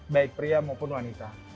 baik pria maupun wanita